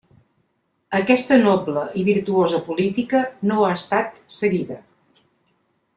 Aquesta noble i virtuosa política no ha estat seguida.